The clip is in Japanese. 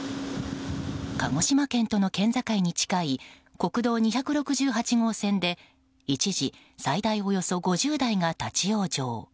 鹿児島県との県境に近い国道２６８号線で一時最大およそ５０台が立ち往生。